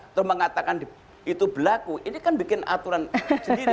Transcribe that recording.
terus mengatakan itu berlaku ini kan bikin aturan sendiri